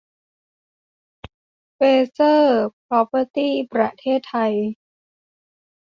เฟรเซอร์ส พร็อพเพอร์ตี้ ประเทศไทย